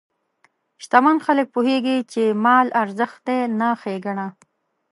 شتمن خلک پوهېږي چې مال ازمېښت دی، نه ښېګڼه.